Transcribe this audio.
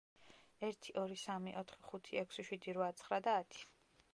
ერთი, ორი, სამი, ოთხი, ხუთი, ექვსი, შვიდი, რვა, ცხრა და ათი.